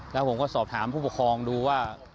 แล้วผมก็สอบถามผู้ปกครองดูว่า